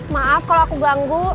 maaf kalau aku ganggu